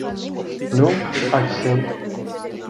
Nu, ať si.